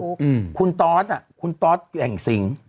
อืมคุณตอสอ่ะคุณตอสแหล่งสิง